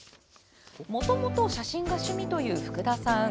もともと写真が趣味という福田さん。